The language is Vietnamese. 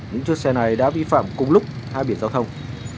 những chiếc xe này đã vi phạm cùng lúc hai biển giao thông